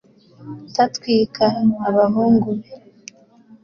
t atwika abahungu be